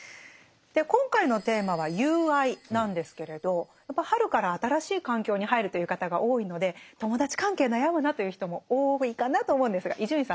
今回のテーマは「友愛」なんですけれどやっぱ春から新しい環境に入るという方が多いので友達関係悩むなという人も多いかなと思うんですが伊集院さんどうですか？